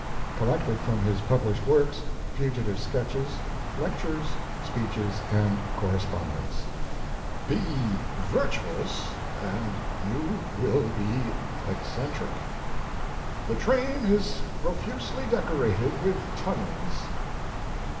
COLLECTED FROM HIS PUBLISHED WORKS, FUGI TIVE SKETCHES, LECTURES, SPEECHES AND CORRESPONDENCE. "Be virtuous and you will be eccen tric." "The train is profusely decorated with tunnels."